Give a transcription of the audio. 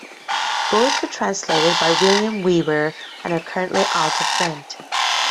Both were translated by William Weaver and are currently out of print.